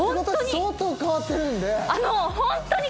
相当変わってるんで。